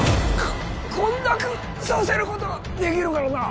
こっ混濁させることができるからな。